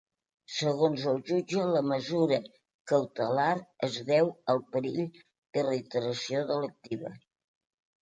Segons el jutge, la mesura cautelar es deu al perill de reiteració delictiva.